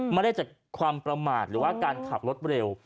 ไม่ได้จากความประมาทหรือว่าการขับรถเร็ว